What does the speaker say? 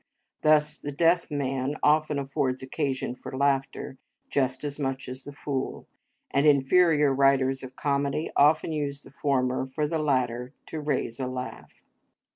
Thus the deaf man often affords occasion for laughter, just as much as the fool, and inferior writers of comedy often use the former for the latter to raise a laugh.